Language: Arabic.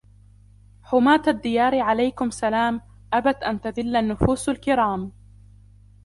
حُـماةَ الـدِّيارِ عليكمْ سـلامْ أبَتْ أنْ تـذِلَّ النفـوسُ الكِرامْ